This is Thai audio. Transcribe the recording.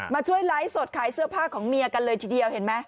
มาช่วยไลฟ์สดขายเสื้อผ้าของเมียกันเลยทีเดียวเห็นไหม